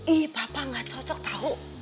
ih papa gak cocok tahu